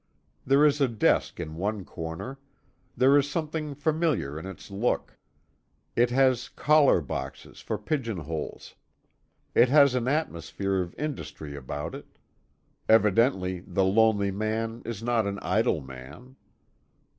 There is a desk in one corner there is something familiar in its look. It has collar boxes for pigeon holes. It has an atmosphere of industry about it. Evidently the lonely man is not an idle man.